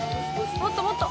もっともっと！